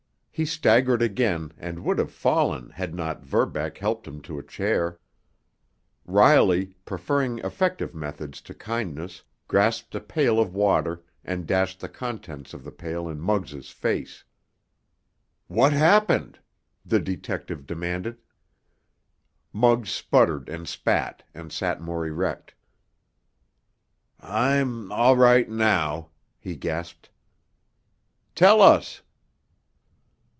He staggered again, and would have fallen had not Verbeck helped him to a chair. Riley, preferring effective methods to kindness, grasped a pail of water and dashed the contents of the pail in Muggs' face. "What happened?" the detective demanded. Muggs sputtered and spat, and sat more erect. "I'm—all right now," he gasped. "Tell us!"